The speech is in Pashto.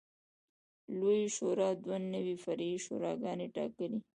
لویې شورا دوه نورې فرعي شوراګانې ټاکلې